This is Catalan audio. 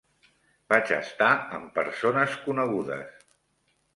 Vaig estar amb persones conegudes.